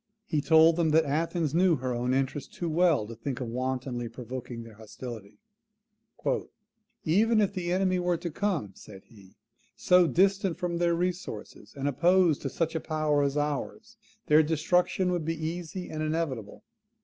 He told them that Athens knew her own interest too well to think of wantonly provoking their hostility: "EVEN IF THE ENEMIES WERE TO COME," said he, "SO DISTANT FROM THEIR RESOURCES, AND OPPOSED TO SUCH A POWER AS OURS, THEIR DESTRUCTION WOULD BE EASY AND INEVITABLE.